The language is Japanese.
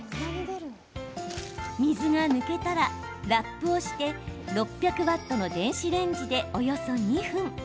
水が抜けたら、ラップをして６００ワットの電子レンジで約２分。